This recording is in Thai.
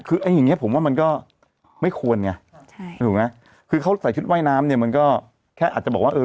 คือไอ้อย่างเงี้ผมว่ามันก็ไม่ควรไงถูกไหมคือเขาใส่ชุดว่ายน้ำเนี่ยมันก็แค่อาจจะบอกว่าเออ